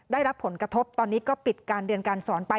ได้รับผลกระทบตอนนี้ก็ปิดการเรียนการสอนไป